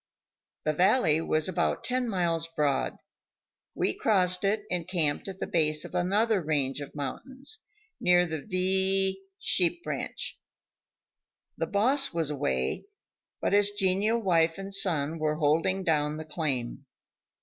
The valley was about ten miles broad; we crossed it and camped at the base of another range of mountains, near the V sheep ranch. The boss was away, but his genial wife and son were holding down the claim.